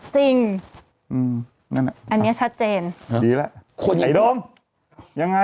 จริงนั่นล่ะอันนี้ชัดเจนดีล่ะไอ้ดมยังไง